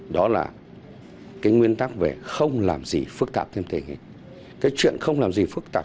đó là cái nguyên tắc về không làm gì phức tạp thêm tình hình cái chuyện không làm gì phức tạp